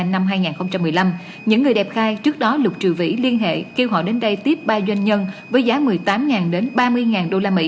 năm hai nghìn một mươi năm những người đẹp khai trước đó lục trừ vĩ liên hệ kêu gọi đến đây tiếp ba doanh nhân với giá một mươi tám ba mươi usd